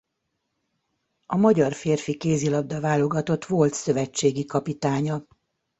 A magyar férfi kézilabda-válogatott volt szövetségi kapitánya.